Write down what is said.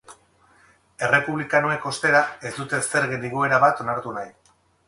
Errepublikanoek, ostera, ez dute zergen igoera bat onartu nahi.